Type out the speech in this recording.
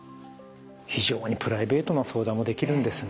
非常にプライベートな相談もできるんですね。